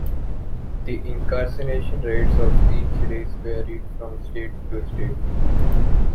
The incarceration rates of each race varried from state to state.